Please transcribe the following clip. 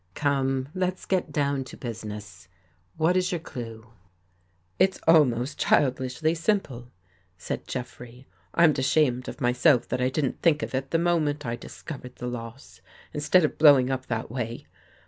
Come ! Let's get down to business. What is your clue? "" It's almost childishly simple," said Jeffrey. " I'm ashamed of myself that I didn't think of it the moment I discovered the loss, instead of blowing up that way.